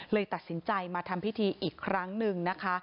เลยตัดสินใจมาทำพิธีอีกครั้งหนึ่งนะคะ